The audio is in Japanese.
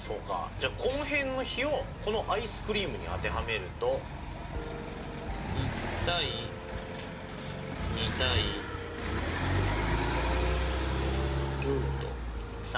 じゃあこの辺の比をこのアイスクリームに当てはめると１：２：ルート３はいこうなりますね。